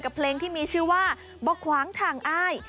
กับเพลงที่มีชื่อว่าบกวางถังอาย